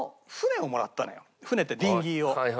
船ってディンギーを。